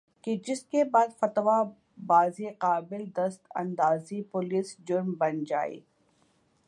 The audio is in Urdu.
کہ جس کے بعد فتویٰ بازی قابلِ دست اندازیِ پولیس جرم بن جائے